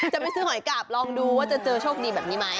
จะไปซื้อหอยกาบลองดูว่าจะเจอโชคดีแบบนี้ไหม